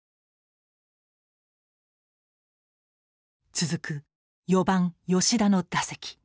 続く４番吉田の打席。